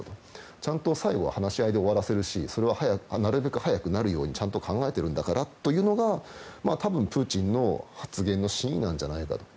ちゃんと最後は話し合いで終わらせるしそれはなるべく早くなるように考えてるんだからというのが多分、プーチンの発言の真意なんじゃないかなと。